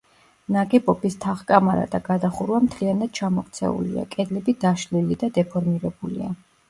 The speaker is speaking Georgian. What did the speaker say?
ნაგებობის თაღ-კამარა და გადახურვა მთლიანად ჩამოქცეულია, კედლები დაშლილი და დეფორმირებულია.